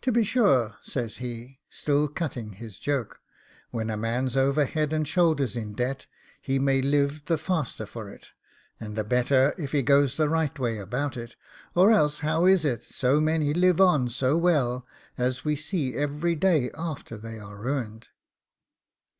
'To be sure,' says he, still cutting his joke, 'when a man's over head and shoulders in debt, he may live the faster for it, and the better if he goes the right way about it; or else how is it so many live on so well, as we see every day, after they are ruined?